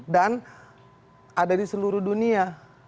dan ada di seluruh dunia